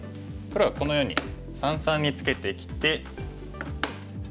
黒がこのように三々にツケてきて。